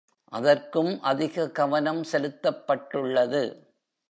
அதற்கும் அதிக கவனம் செலுத்தப்பட்டுள்ளது